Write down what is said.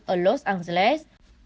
ở los angeles